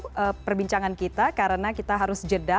itu perbincangan kita karena kita harus jeda